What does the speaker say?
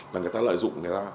là người ta lợi dụng